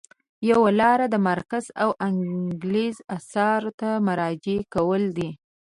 یوه لاره د مارکس او انګلز اثارو ته مراجعه کول دي.